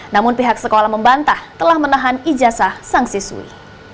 namun pihak sekolah membantah telah menahan ijazah sang siswi